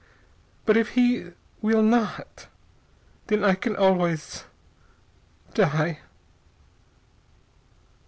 But if he will not, then I can always die...."